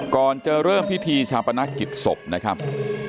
ก่อนจะเริ่มพิธีชาปนักกิจศพนะครับ